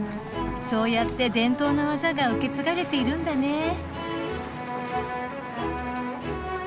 そうやって伝統の技が受け継がれているんだね。